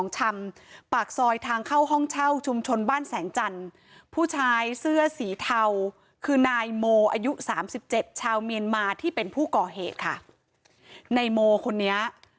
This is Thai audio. เจ็ดชาวเมียนมาที่เป็นผู้ก่อเหตุค่ะในโมคนนี้